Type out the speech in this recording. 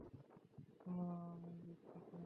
শোনো, আমি দুঃখিত!